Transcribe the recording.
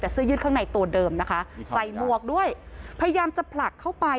แต่เสื้อยืดข้างในตัวเดิมนะคะใส่หมวกด้วยพยายามจะผลักเข้าไป